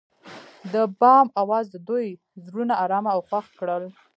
د بام اواز د دوی زړونه ارامه او خوښ کړل.